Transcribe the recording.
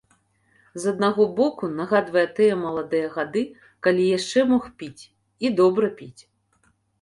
З аднаго боку, нагадвае тыя маладыя гады, калі яшчэ мог піць, і добра піць.